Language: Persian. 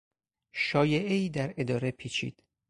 شایعهای در اداره پیچید.